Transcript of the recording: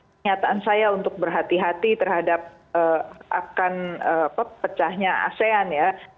kenyataan saya untuk berhati hati terhadap akan pecahnya asean ya